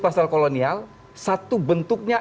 pasal kolonial satu bentuknya